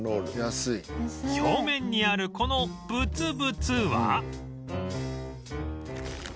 表面にあるこのブツブツは